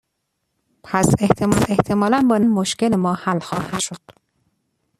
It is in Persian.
پس احتمالا با نصب آن، مشکل ما حل خواهد شد.